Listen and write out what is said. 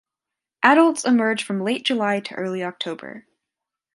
Adults emerge from late July to early October.